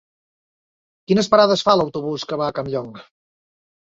Quines parades fa l'autobús que va a Campllong?